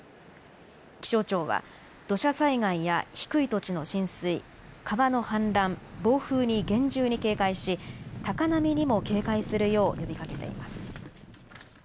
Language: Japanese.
気象庁は土砂災害や低い土地の浸水、川の氾濫、暴風に厳重に警戒し高波にも警戒するよう呼びかけています。